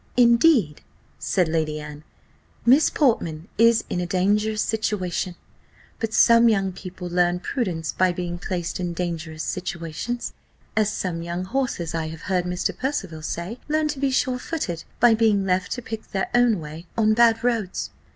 "Indeed," said Lady Anne, "Miss Portman is in a dangerous situation; but some young people learn prudence by being placed in dangerous situations, as some young horses, I have heard Mr. Percival say, learn to be sure footed, by being left to pick their own way on bad roads."